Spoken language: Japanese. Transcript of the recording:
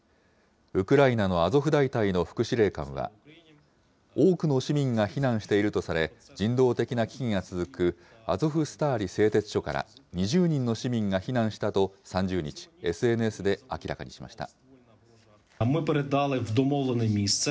ウクライナのアゾフ大隊の副司令官は、多くの市民が避難しているとされ、人道的な危機が続くアゾフスターリ製鉄所から２０人の市民が避難したと、３０日、ＳＮＳで明らかにしました。